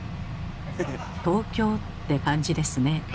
東京って感じですね。